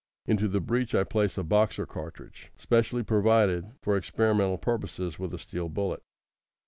Into the breech I place a Boxer cartridge, specialty provided for experimental purposes with a steel bullet.